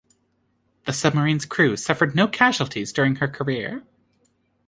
The submarine's crew suffered no casualties during her career.